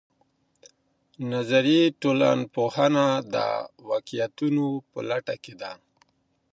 نظري ټولنپوهنه د واقعيتونو په لټه کې ده.